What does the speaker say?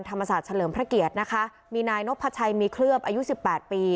ธรรมศาสตร์เฉลิมพระเกียรตินะคะมีนายนพชัยมีเคลือบอายุสิบแปดปี